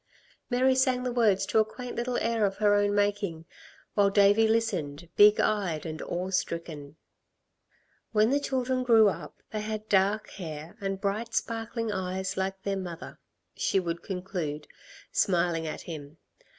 Mary sang the words to a quaint little air of her own making, while Davey listened, big eyed and awe stricken. "When the children grew up they had dark hair and bright, sparkling eyes like their mother," she would conclude, smiling at him.